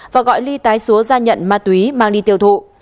và gọi ly tái xúa ra nhận ma túy mang đi tiêu thụ